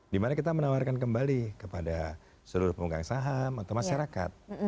dimana kita menawarkan kembali kepada seluruh pemegang saham atau masyarakat